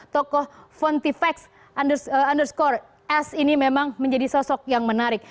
tokoh fontifax underscore s ini memang menjadi sosok yang menarik